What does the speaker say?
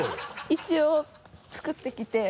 一応作ってきて。